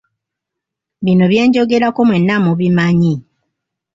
Bino bye njogerako mwenna mubimanyi.